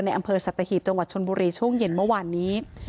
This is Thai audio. อำเภอสัตหีบจังหวัดชนบุรีช่วงเย็นเมื่อวานนี้